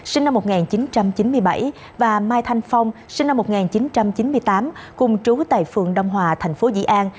sinh năm một nghìn chín trăm chín mươi bảy và mai thanh phong sinh năm một nghìn chín trăm chín mươi tám cùng trú tại phường đông hòa thành phố dĩ an